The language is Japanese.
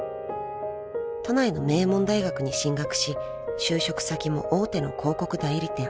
［都内の名門大学に進学し就職先も大手の広告代理店］